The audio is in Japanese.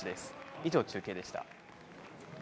以上、中継でした。